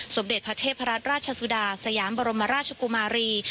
สมเด็จพระเทพรัตนราชสุดาสยามบรมราชกุมารี